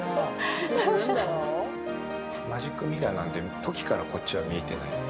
そんなマジックミラーなんで、トキからこっちは見えていないです。